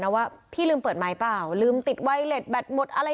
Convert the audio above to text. ว่าพี่ลืมเปิดไม้เปล่าลืมติดไวเล็ตแบตหมดอะไร